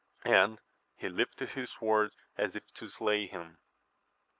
and he lifted his sword as if to slay him.